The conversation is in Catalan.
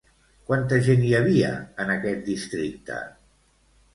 Quanta gent hi havia en aquest districte?